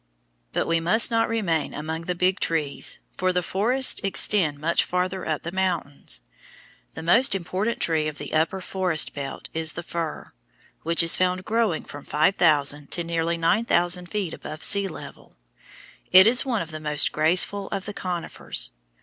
But we must not remain among the Big Trees, for the forests extend much farther up the mountains. The most important tree of the upper forest belt is the fir, which is found growing from five thousand to nearly nine thousand feet above sea level. It is one of the most graceful of the conifers.